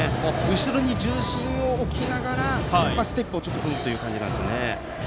後ろに重心を置きながらステップを踏むという感じなんですよね。